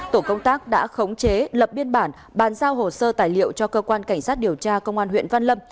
tổ công tác đã khống chế lập biên bản bàn giao hồ sơ tài liệu cho cơ quan cảnh sát điều tra công an huyện văn lâm